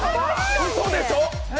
うそでしょ！